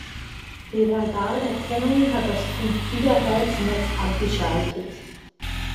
Die Radarerkennung hat das fünf Gigahertz-Netz abgeschaltet.